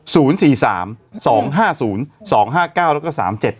สี่สามสองห้าศูนย์สองห้าเก้าแล้วก็สามเจ็ด